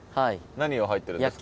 何に入ってるんですか？